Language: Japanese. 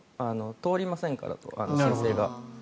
通りませんからと、申請が。